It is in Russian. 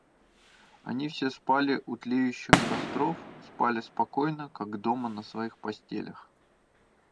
«Они все спали у тлеющих костров, спали спокойно, как дома на своих постелях.